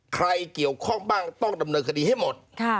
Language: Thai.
ใครเกี่ยวข้องบ้างต้องดำเนินคดีให้หมด